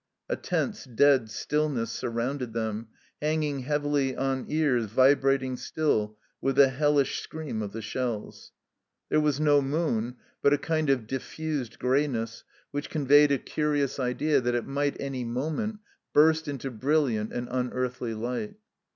A tense dead stillness surrounded them, hanging heavily on ears vibrating still with the hellish scream of the shells. There was no moon, but a kind of diffused greyness which conveyed a curious THE FIELD OF MERCY 43 idea that it might any moment burst into brilliant and unearthly light.